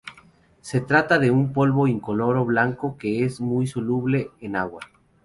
Se trata de un polvo incoloro blanco que es muy soluble en agua.